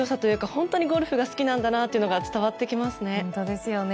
本当にゴルフが好きなんだなと伝わってきますね。